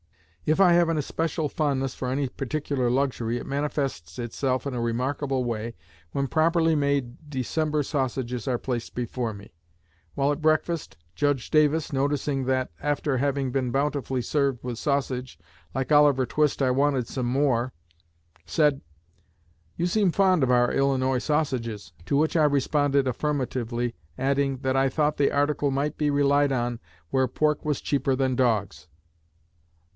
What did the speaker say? If I have an especial fondness for any particular luxury, it manifests itself in a remarkable way when properly made December sausages are placed before me. While at breakfast, Judge Davis, noticing that, after having been bountifully served with sausage, like Oliver Twist I wanted some more, said, 'You seem fond of our Illinois sausages.' To which I responded affirmatively, adding that I thought the article might be relied on where pork was cheaper than dogs.